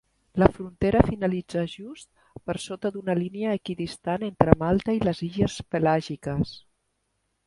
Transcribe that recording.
La frontera finalitza just per sota d'una línia equidistant entre Malta i les illes Pelàgiques.